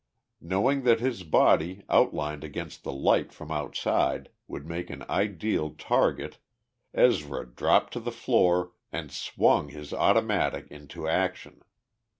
Knowing that his body, outlined against the light from outside, would make an ideal target, Ezra dropped to the floor and swung his automatic into action.